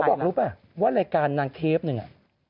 บอกรู้ป่ะว่ารายการนางเทปนึง